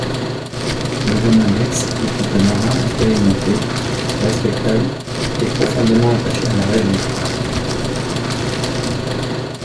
Benjamin Briggs était un marin expérimenté, respectable et profondément attaché à la religion.